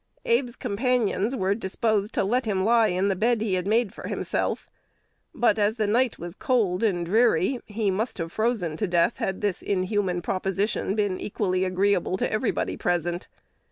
Abe's companions were disposed to let him lie in the bed he had made for himself; but, as the night was cold and dreary, he must have frozen to death had this inhuman proposition been equally agreeable to everybody present.